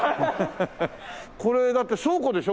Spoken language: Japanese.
これだって倉庫でしょ？